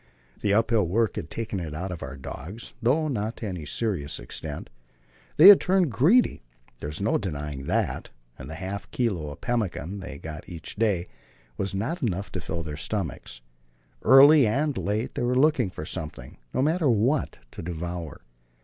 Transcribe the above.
The uphill work had taken it out of our dogs, though not to any serious extent. They had turned greedy there is no denying that and the half kilo of pemmican they got each day was not enough to fill their stomachs. Early and late they were looking for something no matter what to devour.